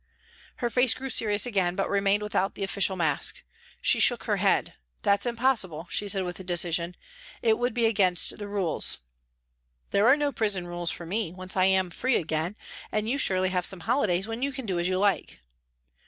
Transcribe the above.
Her face grew serious again, but remained without the official mask. She shook her head. " That's impossible," she said with decision, " it would be against the rules." " There are no prison rules for me once I am free again, and you surely have some holidays when you can do as you like."